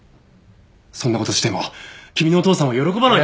そんな事をしても君のお父さんは喜ばない。